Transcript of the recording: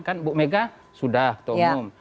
kan bu mega sudah ketua umum